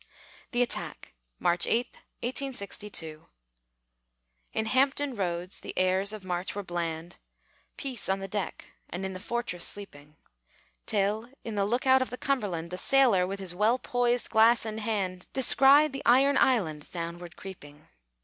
THE ATTACK [March 8, 1862] In Hampton Roads, the airs of March were bland, Peace on the deck and in the fortress sleeping, Till, in the look out of the Cumberland, The sailor, with his well poised glass in hand, Descried the iron island downward creeping.